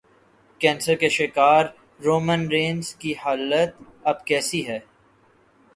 cancer کے شکار Roman Reigns کی حالت اب کیسی ہے